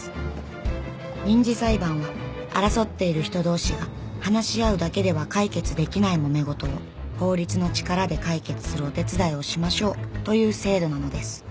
民事裁判は争っている人同士が話し合うだけでは解決できないもめごとを法律の力で解決するお手伝いをしましょうという制度なのです